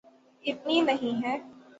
اتنی نہیں ہے۔